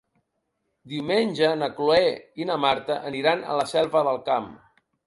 Diumenge na Cloè i na Marta aniran a la Selva del Camp.